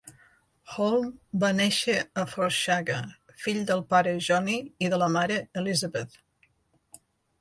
Holm va néixer a Forshaga, fill del pare Johnny i de la mare Elisabeth.